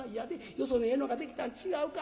よそにええのがでけたん違うか？』